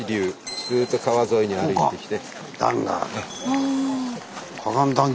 ずっと川沿いに歩いてきて。